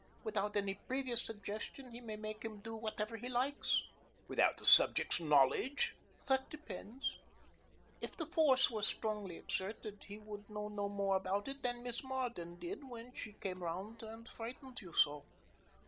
Without any previous suggestion he may make him do whatever he likes." "Without the subject's knowledge?" "That depends. If the force were strongly exerted, he would know no more about it than Miss Marden did when she came round and frightened you so.